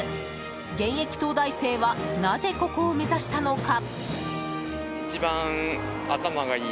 現役東大生はなぜ、ここを目指したのか？